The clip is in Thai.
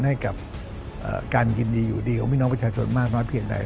ให้กับการยินดีอยู่ดีของพี่น้องประชาชนมากน้อยเพียงใด